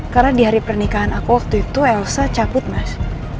karena di hari pernikahan aku waktu itu elsa caput mas